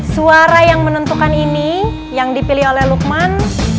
suara yang menentukan ini yang dipilih oleh lukman